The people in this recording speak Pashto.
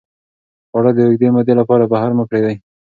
خواړه د اوږدې مودې لپاره بهر مه پرېږدئ.